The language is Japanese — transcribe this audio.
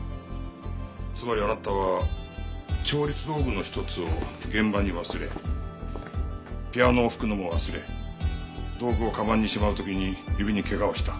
つまりあなたは調律道具の一つを現場に忘れピアノを拭くのも忘れ道具をかばんにしまう時に指に怪我をした。